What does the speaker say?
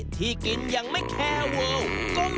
ที่กินอย่างไม่แควอล